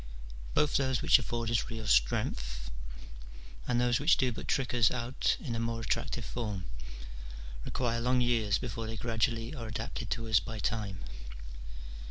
Both those which CH. I.] OF PEACE OF MIND. 251 afford us real strength and those which do but trick us out in a more attractive form, require long years before they gradually are adapted to us by time.